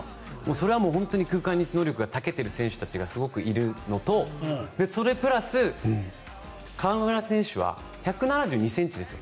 それは本当に空間認知能力に長けている選手たちがすごくいるのとそれプラス、河村選手は１７２ｃｍですよ。